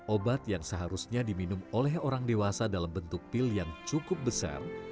obat yang seharusnya diminum oleh orang dewasa dalam bentuk pil yang cukup besar